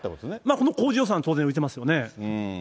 この工事予算は当然浮いてますよね。